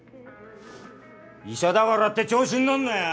医者だからって調子に乗んなよ。